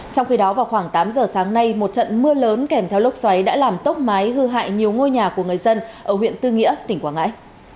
trong khi đó vào khoảng tám giờ sáng nay một trận mưa lớn kèm theo lốc xoáy đã làm tốc mái hư hại nhiều ngôi nhà của người dân ở huyện tư nghĩa tỉnh quảng ngãi